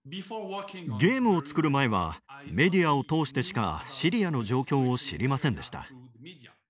ゲームを作る前はメディアを通してしかシリアの状況を知りませんでした。